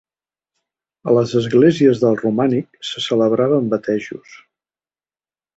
A les esglésies del romànic se celebraven batejos.